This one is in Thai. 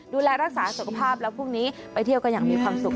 ดูแลรักษาสุขภาพแล้วพรุ่งนี้ไปเที่ยวกันอย่างมีความสุข